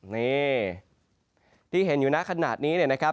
นี่ที่เห็นอยู่ในขณะนี้นะครับ